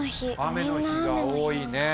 「雨の日」が多いね。